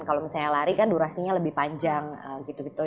kalau misalnya lari kan durasinya lebih panjang gitu gitu